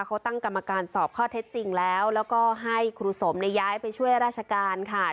เขาตั้งกรรมการสอบข้อเท็จจริงแล้วแล้วก็ให้ครูสมย้ายไปช่วยราชการค่ะ